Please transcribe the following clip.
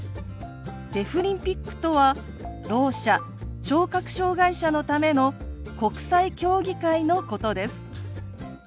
デフリンピックとはろう者聴覚障害者のための国際競技会のことです。